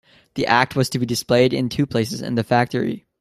The Act was to be displayed in two places in the factory.